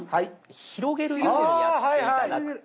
広げるようにやって頂くと。